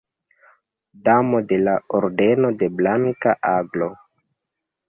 Damo de la Ordeno de Blanka Aglo.